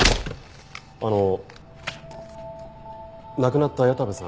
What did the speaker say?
あの亡くなった矢田部さん